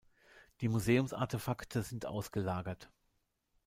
Die Museums-Artefakte sind ausgelagert.